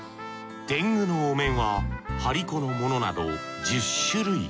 天狗のお面は張り子のものなど１０種類。